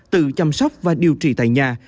tự chăm sóc và điều trị tại nhà